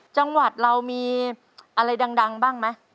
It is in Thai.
จังหวัดเรามีอะไรดังบ้างไหม